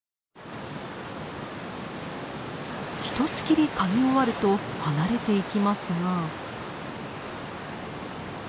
ひとしきり嗅ぎ終わると離れていきますが。